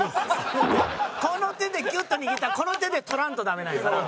この手でギュッと握ったらこの手で取らんとダメなんやから。